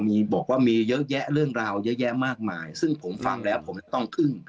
มีบอกว่ามีเยอะแยะเรื่องราวเยอะแยะมากมายซึ่งผมฟังแล้วผมจะต้องอึ้ง